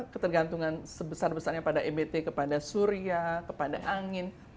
ketergantungan sebesar besarnya pada ebt kepada surya kepada angin